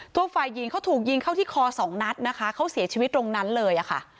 ตัวฝ่ายหญิงเขาถูกยิงเข้าที่คอสองนัดนะคะเขาเสียชีวิตตรงนั้นเลยค่ะ